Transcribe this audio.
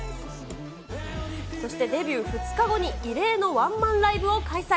そしてデビュー２日後に異例のワンマンライブを開催。